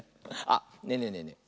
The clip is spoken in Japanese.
あっねえねえねえねえ